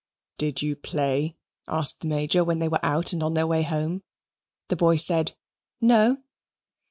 "Did you play?" asked the Major when they were out and on their way home. The boy said "No."